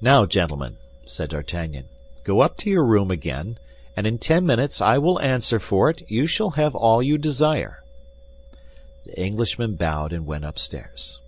"Now, gentlemen," said D'Artagnan, "go up to your room again; and in ten minutes, I will answer for it, you shall have all you desire." The Englishmen bowed and went upstairs.